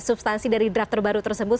substansi dari drug terbaru tersebut